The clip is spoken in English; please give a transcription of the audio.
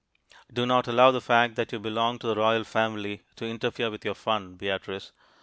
Do not allow the fact that you belong to the royal family to interfere with your fun, Beatrice.